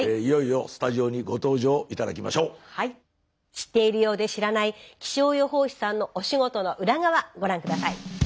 知っているようで知らない気象予報士さんのお仕事の裏側ご覧下さい。